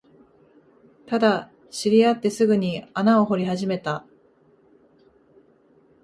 ただ、知り合ってすぐに穴を掘り始めた